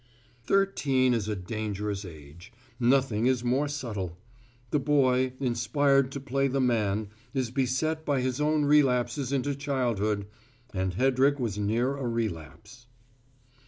Thirteen is a dangerous age: nothing is more subtle. The boy, inspired to play the man, is beset by his own relapses into childhood, and Hedrick was near a relapse.